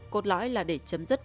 cốt lõi là để chấm dứt